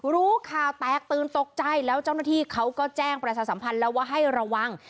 รู้ข่าวแตกตื่นตกใจแล้วเจ้าหน้าที่เขาก็แจ้งประชาสัมพันธ์แล้วว่าให้ระวัง